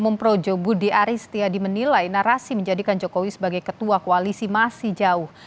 memprojo budi aristiadi menilai narasi menjadikan jokowi sebagai ketua koalisi masih jauh